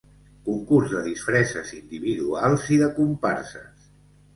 Concurs de disfresses individuals i de comparses.